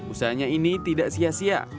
usahanya ini tidak sia sia